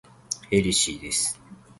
ヘルシーです。